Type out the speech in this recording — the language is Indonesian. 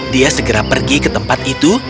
dia segera pergi ke tempat itu